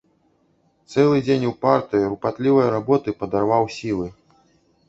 Цэлы дзень упартай, рупатлівай работы падарваў сілы.